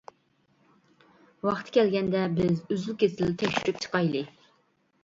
ۋاقتى كەلگەندە بىز ئۈزۈل-كېسىل تەكشۈرۈپ چىقايلى.